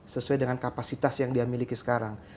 sesuai dengan kapasitas yang dia miliki sekarang